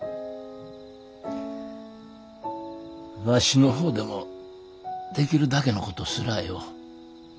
わしの方でもできるだけのことすらあよお。